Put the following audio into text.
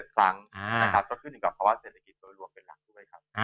ครั้งนะครับก็ขึ้นอยู่กับภาวะเศรษฐกิจโดยรวมเป็นหลักด้วยครับ